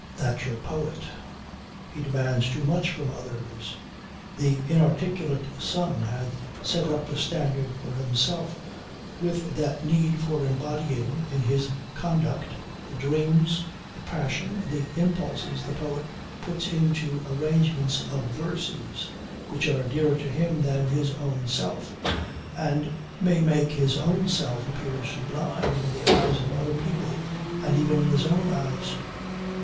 That's your poet. He demands too much from others. The inarticulate son had set up a standard for himself with that need for embodying in his conduct the dreams, the passion, the impulses the poet puts into arrangements of verses, which are dearer to him than his own self and may make his own self appear sublime in the eyes of other people, and even in his own eyes.